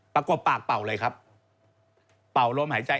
ปากกว่าปากเป่าเลยครับเป่าโรมหายใจ